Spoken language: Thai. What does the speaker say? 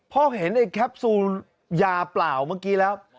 เห็นไอ้แคปซูลยาเปล่าเมื่อกี้แล้ว